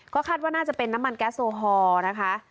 ก็คาดว่าน่าจะเป็นน้ำมันแก๊สโซฮอล์นะคะ